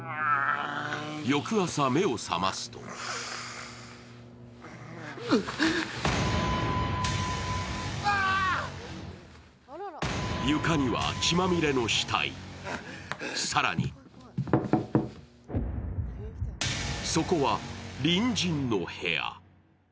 翌朝、目を覚ますと床には血まみれの死体、更にそこは隣人の部屋。